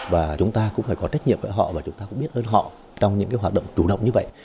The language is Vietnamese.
và chúng ta cũng biết ơn họ trong những hoạt động chủ động như vậy